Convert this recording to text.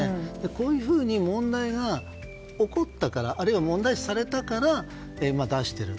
こういうふうに問題が起こったからあるいは問題視されたから出している。